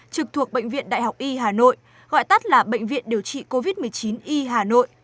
trực thuộc bệnh viện đại học y hà nội gọi tắt là bệnh viện điều trị covid một mươi chín y hà nội